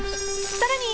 ［さらに］